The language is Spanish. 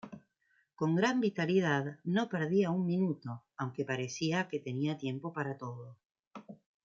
Con gran vitalidad, no perdía un minuto, aunque parecía que tenía tiempo para todo.